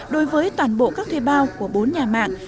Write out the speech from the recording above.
đối với toàn bộ các thuê bao của bốn nhà mạng